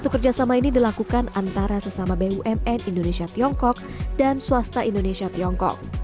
satu kerjasama ini dilakukan antara sesama bumn indonesia tiongkok dan swasta indonesia tiongkok